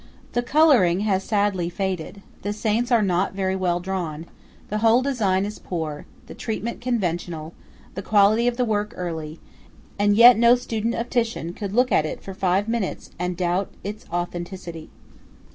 The colouring has sadly faded; the saints are not very well drawn; the whole design is poor, the treatment conventional, the quality of the work early; and yet no student of Titian could look at it for five minutes and doubt its authenticity.